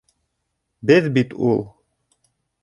Беҙ бит ул.